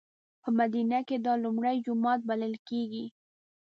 په مدینه کې دا لومړی جومات بللی کېږي.